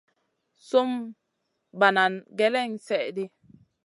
Sùm banana gèlèn slèʼɗi.